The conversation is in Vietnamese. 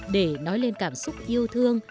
để nói lên cảm xúc yêu thương